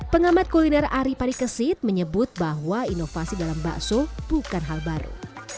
pengamat kuliner ari parikesit menyebut bahwa inovasi dalam bakso bukan hal baru